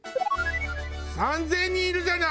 ３０００人いるじゃない！